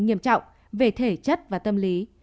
nghiêm trọng về thể chất và tâm lý